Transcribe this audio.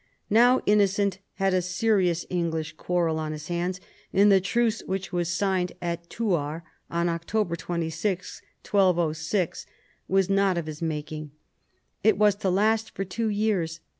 Now Innocent had a serious English quarrel on his hands, and the truce which was signed at Thouars on October 26, 1206, was not of his making. It was to last for two years.